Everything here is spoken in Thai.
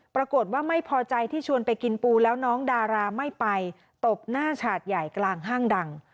ปรากฏว่าไม่พอใจที่ชวนไปกินปูแล้วน้องดาราไม่ไปตบหน้าฉาดใหญ่กลางห้างดัง